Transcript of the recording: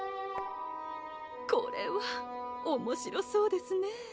これはおもしろそうですね